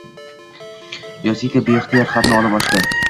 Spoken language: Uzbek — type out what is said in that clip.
Yosiko beixtiyor xatni olib ochdi